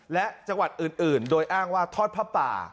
และจังหวัดอื่นโดยอ้างว่าทอดผ้าป่า